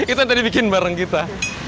itu yang tadi bikin bareng kita